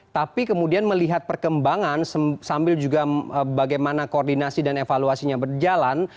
tapi kemudian melihat perkembangan sambil juga bagaimana koordinasi dan evaluasinya berjalan